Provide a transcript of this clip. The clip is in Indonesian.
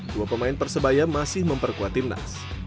dua pemain persebaya masih memperkuat timnas